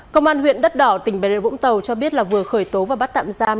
công an huyện đất đỏ tỉnh bà rịa vũng tàu cho biết là vừa khởi tố và bắt tạm giam